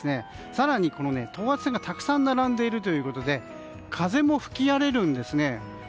更に等圧線がたくさん並んでいるということで風も吹き荒れるんです。